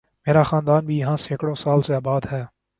میرا خاندان بھی یہاں سینکڑوں سال سے آباد ہے